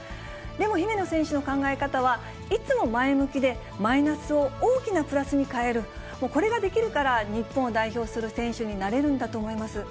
でも姫野選手の考え方は、いつも前向きで、マイナスを大きなプラスに変える、これができるから、日本を代表する選手になれるんだと思います。